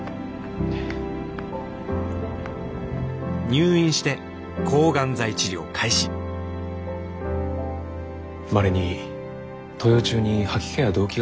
入院して抗がん剤治療開始まれに投与中に吐き気や動悸がする方がいます。